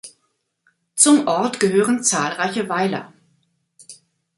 Zum Ort gehören zahlreiche Weiler.